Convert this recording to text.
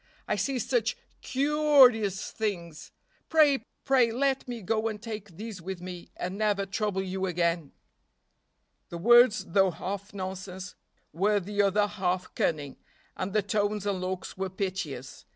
I see such cu u rious things. Pray! pray let me go and take these with me, and never trouble you again." The words, though half nonsense, were the other half cunning, and the tones and looks were piteous.